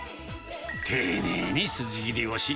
丁寧に筋切りをし、